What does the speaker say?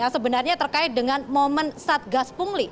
sebenarnya terkait dengan momen satgas pungli